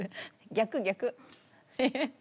逆逆。